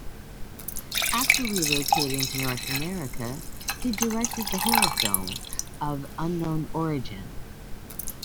After relocating to North America, he directed the horror film "Of Unknown Origin".